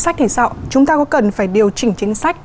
sách thì sao chúng ta có cần phải điều chỉnh chính sách